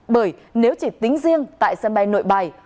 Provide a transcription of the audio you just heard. bởi nếu chỉ tính riêng tại sân bay nội bài